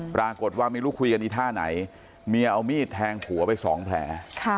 ปรากฏว่าไม่รู้คุยกันอีกท่าไหนเมียเอามีดแทงผัวไปสองแผล